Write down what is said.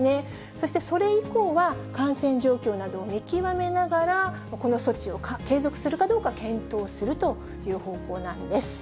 そしてそれ以降は、感染状況などを見極めながら、この措置を継続するかどうか検討するという方向なんです。